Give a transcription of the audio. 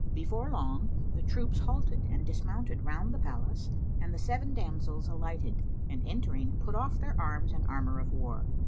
Before long, the troops halted and dismounted round the palace and the seven damsels alighted and entering, put off their arms and armour of war.